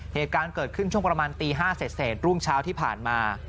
เหตุการณ์เกิดขึ้นช่วงประมาณตี๕เสร็จรุ่งเช้าที่ผ่านมา